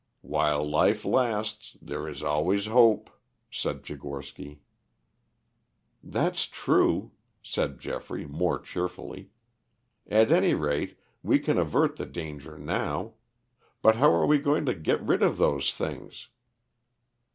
"While life lasts there is always hope," said Tchigorsky. "That's true," said Geoffrey, more cheerfully. "At any rate we can avert the danger now. But how are we going to get rid of those things?"